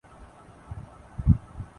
گزشتہ ہفتے ریلیز ہونے